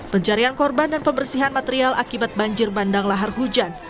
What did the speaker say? pencarian korban dan pembersihan material akibat banjir bandang lahar hujan